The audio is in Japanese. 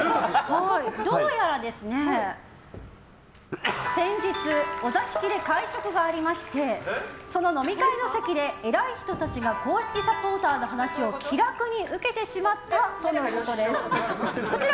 どうやら、先日お座敷で会食がありましてその飲み会の席で偉い人たちが公式サポーターの話を気楽に受けてしまったとのことです。